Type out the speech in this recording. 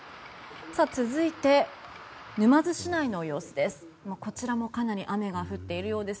続いて、沼津市内の様子です。